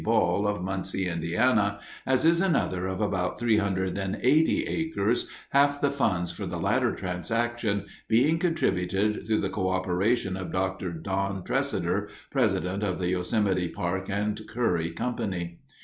Ball, of Muncie, Indiana, as is another of about 380 acres, half the funds for the latter transaction being contributed through the co operation of Dr. Don Tresidder, president of the Yosemite Park and Curry Company.